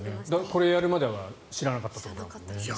これをやるまでは知らなかったでしょ。